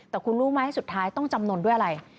แต่คุณรู้ไหมสุดท้ายต้องจำนวนด้วยอะไร